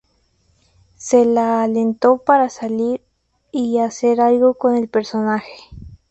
Se la alentó para salir y hacer algo con el personaje.